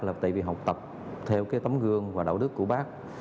là tại vì học tập theo cái tấm gương và đạo đức của bác